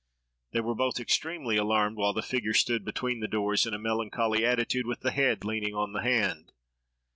They were both extremely alarmed, while the figure stood between the doors in a melancholy attitude with the head leaning on the hand.